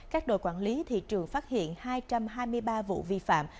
các đội quản lý thị trường phát hiện hai trăm hai mươi ba vụ vi phạm